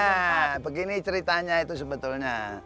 ya begini ceritanya itu sebetulnya